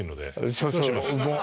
そうそう。